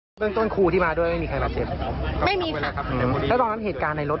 ปกติไม่มีอะไรเลยแต่อย่างนี้บอกได้อย่างเดียวคือคนขับน่าจะไม่ชินกับเต้นทาง